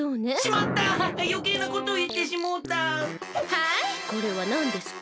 はいこれはなんですか？